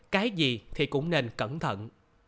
cái gì thì cũng nên cẩn thận